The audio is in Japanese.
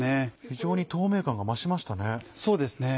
非常に透明感が増しましたね。